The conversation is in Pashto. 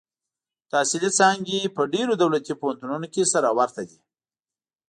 تحصیلي څانګې په ډېرو دولتي پوهنتونونو کې سره ورته دي.